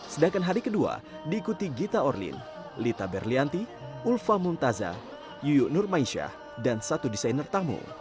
sedangkan hari kedua diikuti gita orlin lita berlianti ulfa mumtaza yuyuk nurmaisyah dan satu desainer tamu